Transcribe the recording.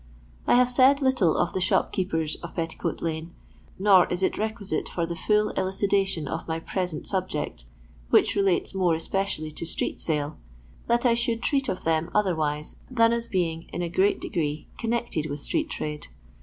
I have said little of the shopkeepers of Petti coat lane, nor is it requisite for the full elucida tion of my present subject (which relates more especially to slrefttaU), that I should treat of them otherwise than as being in a great degree connected with street trade.